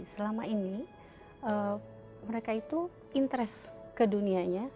selama ini mereka itu interest ke dunianya